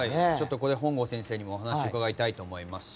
ここで本郷先生にもお話を伺いたいと思います。